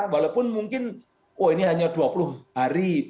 walaupun mungkin oh ini hanya dua puluh hari